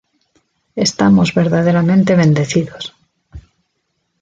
Estamos verdaderamente bendecidos.